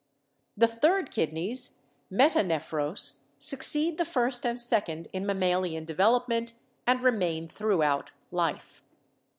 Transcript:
The third kidneys (metanephros) succeed the first and second in mammalian development and remain throughout life.